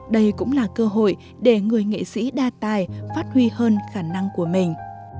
đây cũng là cơ hội để người nghệ sĩ đa tài phát huy hơn khả năng của mình